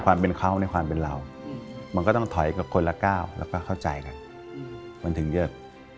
สวัสดีครับ